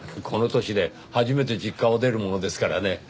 この年で初めて実家を出るものですからね